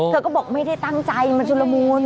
เธอก็บอกไม่ได้ตั้งใจมันชุดละมุน